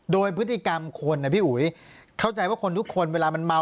โดยพฤติกรรมคนนะพี่อุ๋ยเข้าใจว่าคนทุกคนเวลามันเมา